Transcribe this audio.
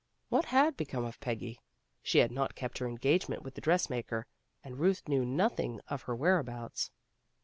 " What had become of Peggy? She had not kept her engagement with the dressmaker, and Kuth knew nothing of her whereabouts.